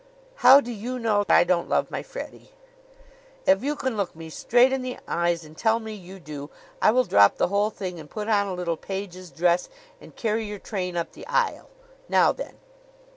"How do you know I don't love my Freddie?" "If you can look me straight in the eyes and tell me you do, I will drop the whole thing and put on a little page's dress and carry your train up the aisle. Now, then!"